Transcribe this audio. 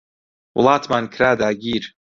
وڵاتمان کرا داگیر